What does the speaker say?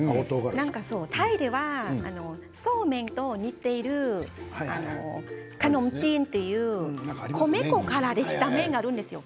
タイではそうめんと似ているカノムジーンという米粉からできた麺があるんですよ。